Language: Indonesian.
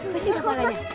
pusing gak marahnya